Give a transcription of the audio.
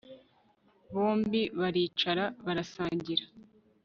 bombi baricara barasangira